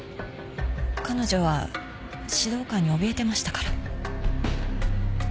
彼女は指導官におびえてましたから。